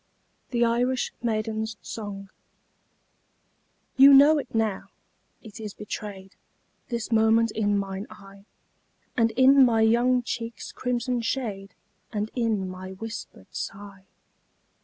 ] THE IRISH MAIDEN'S SONG You know it now it is betrayed This moment in mine eye, And in my young cheeks' crimson shade, And in my whispered sigh.